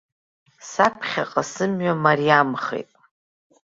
Саԥхьаҟа сымҩа мариамхеит.